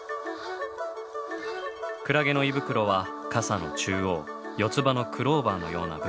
クラゲの胃袋は傘の中央四つ葉のクローバーのような部分。